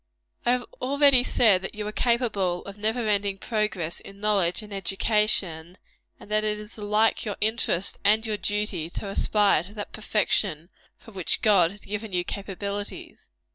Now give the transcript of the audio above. I have already said that you are capable of never ending progress in knowledge and excellence, and that it is alike your interest and your duty to aspire to that perfection for which God has given you capabilities.